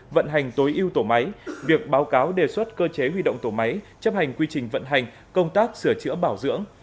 vận hành tối ưu tổ máy việc báo cáo đề xuất cơ chế huy động tổ máy chấp hành quy trình vận hành công tác sửa chữa bảo dưỡng